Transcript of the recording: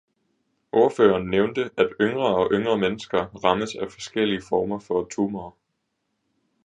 Ordføreren nævnte, at yngre og yngre mennesker rammes af forskellige former for tumorer.